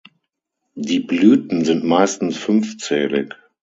Die Blüten sind meistens fünfzählig.